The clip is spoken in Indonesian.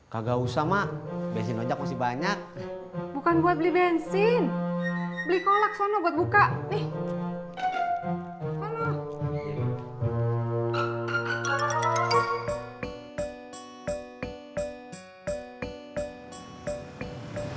kagak usah mak bensin ojek masih banyak bukan buat beli bensin beli kolak sana buat buka nih